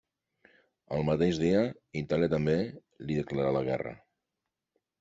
El mateix dia Itàlia també li declarà la guerra.